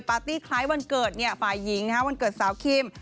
ตี้คล้ายวันเกิดฝ่ายหญิงวันเกิดสาวคิม